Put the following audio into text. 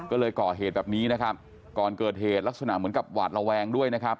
ก็เลยก่อเหตุแบบนี้นะครับก่อนเกิดเหตุลักษณะเหมือนกับหวาดระแวงด้วยนะครับ